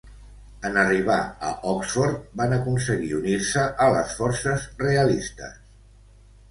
En arribar a Oxford van aconseguir unir-se a les forces realistes.